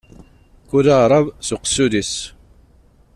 Kull aεrab s uqessul-is.